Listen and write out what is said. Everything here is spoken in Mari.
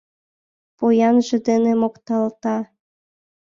Поянже дене мокталта.